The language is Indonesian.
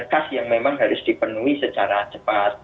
orang orang yang memang harus dipenuhi secara cepat